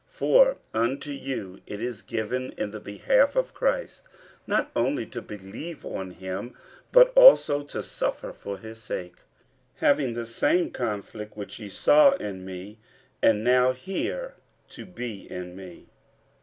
50:001:029 For unto you it is given in the behalf of Christ, not only to believe on him, but also to suffer for his sake; 50:001:030 Having the same conflict which ye saw in me, and now hear to be in me.